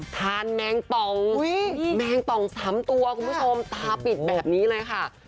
แมงป่องแมงป่อง๓ตัวคุณผู้ชมตาปิดแบบนี้เลยค่ะ